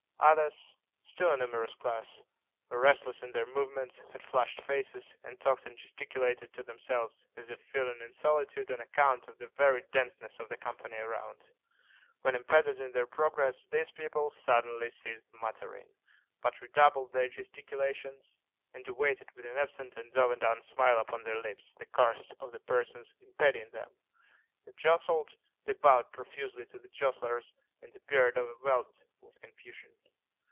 Others, still a numerous class, were restless in their movements, had flushed faces, and talked and gesticulated to themselves, as if feeling in solitude on account of the very denseness of the company around. When impeded in their progress, these people suddenly ceased muttering, but re doubled their gesticulations, and awaited, with an absent and overdone smile upon the lips, the course of the persons impeding them. If jostled, they bowed profusely to the jostlers, and appeared overwhelmed with confusion.